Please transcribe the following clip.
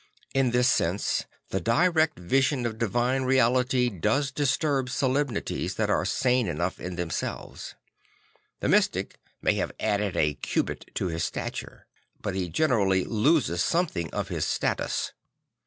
In this sense the direct vision of divine reality does dis turb solemnities that are sane enough in them selves. The mystic may have added a cubit to his stature; but he generally loses something of his status.